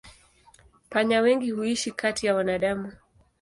Panya wengi huishi kati ya wanadamu.